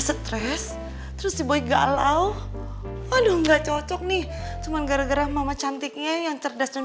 stres terus dibuat galau aduh nggak cocok nih cuman gara gara mama cantiknya yang cerdas dan